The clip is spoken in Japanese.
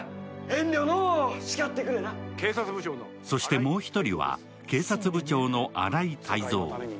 そしてもう１人は、警察部長の荒井退造。